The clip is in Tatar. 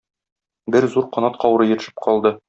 Бер зур канат каурые төшеп калды.